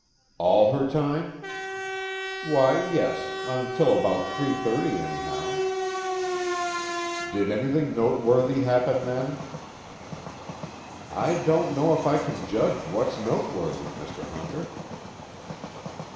"All her time?" "Why, yes, until about 3:30 anyhow." "Did anything noteworthy happen then?" "I don't know if I can judge what's noteworthy, Mr. Hunter."